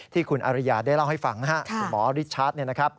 ที่คุณอริยาได้เล่าให้ฟังบริชาร์ด